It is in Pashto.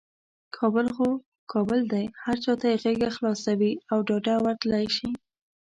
کابل خو کابل دی، هر چاته یې غیږه خلاصه وي او ډاده ورتللی شي.